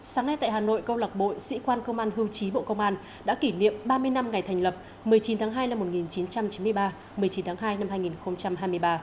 sáng nay tại hà nội câu lạc bộ sĩ quan công an hưu trí bộ công an đã kỷ niệm ba mươi năm ngày thành lập một mươi chín tháng hai năm một nghìn chín trăm chín mươi ba một mươi chín tháng hai năm hai nghìn hai mươi ba